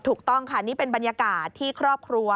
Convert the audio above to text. ถูกต้องค่ะนี่เป็นบรรยากาศที่ครอบครัว